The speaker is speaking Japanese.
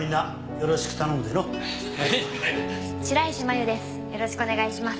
よろしくお願いします。